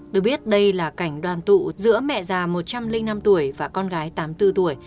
được biết đây là cảnh đoàn tụ giữa mẹ già một trăm linh năm tuổi và con gái tám mươi bốn tuổi